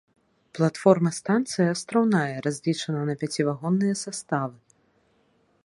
Платформа станцыі астраўная, разлічана на пяцівагонныя саставы.